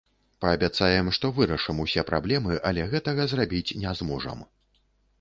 Паабяцаем, што вырашым усе праблемы, але гэтага зрабіць не зможам.